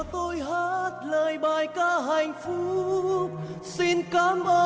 cảm ơn người chiến sinh ngành y